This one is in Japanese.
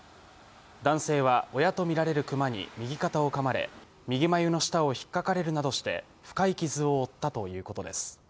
男性は、親と見られるクマに右肩をかまれ、右眉の下をひっかかれるなどして深い傷を負ったということです。